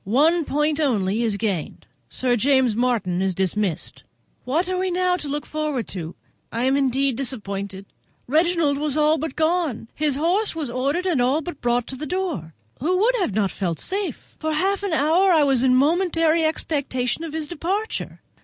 One point only is gained. Sir James Martin is dismissed. What are we now to look forward to? I am indeed disappointed; Reginald was all but gone, his horse was ordered and all but brought to the door; who would not have felt safe? For half an hour I was in momentary expectation of his departure.